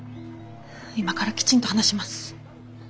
今からきちんと話します。